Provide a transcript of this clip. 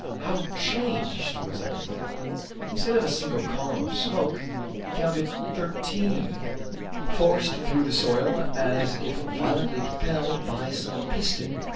How changed was everything! Instead of a single column of smoke he counted thirteen, forced through the soil as if violently propelled by some piston.